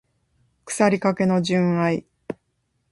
腐りかけの純愛